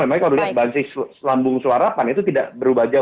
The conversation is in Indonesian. memang kalau dilihat basis lambung suarapan itu tidak berubah jauh